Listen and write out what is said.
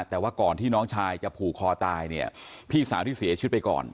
แต่ว่าก่อนที่น้องชายจะผูกคอตายเนี่ยพี่สาวที่เสียชีวิตไปก่อน